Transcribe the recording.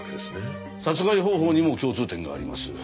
殺害方法にも共通点があります。